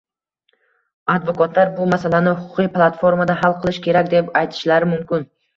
Advokatlar bu masalani huquqiy platformada hal qilish kerak, deb aytishlari mumkin